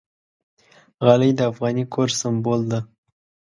غالۍ د افغاني کور سِمبول ده.